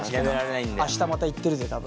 明日また行ってるぜ多分。